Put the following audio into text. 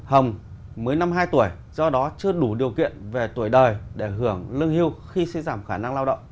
hồng mới năm hai tuổi do đó chưa đủ điều kiện về tuổi đời để hưởng lương hưu khi suy giảm khả năng lao động